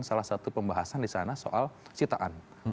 salah satu pembahasan disana soal citaan